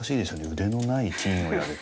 腕のない金をやれって。